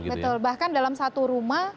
betul bahkan dalam satu rumah